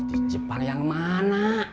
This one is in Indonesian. artis jepang yang mana